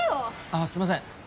あすいません